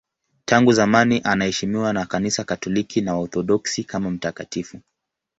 Tangu zamani anaheshimiwa na Kanisa Katoliki na Waorthodoksi kama mtakatifu.